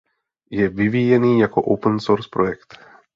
Je vyvíjený jako open source projekt.